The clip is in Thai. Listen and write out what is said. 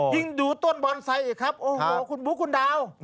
ยิ่งดูต้นบอนไซค์อีกครับโอ้โหคุณบุ๊คคุณดาว